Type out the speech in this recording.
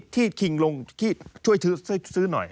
ที่คิงลงช่วยซื้อหน่อย